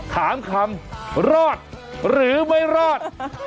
ถามคำรอดหรือไม่รอด